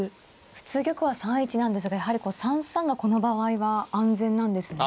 普通玉は３一なんですがやはり３三がこの場合は安全なんですね。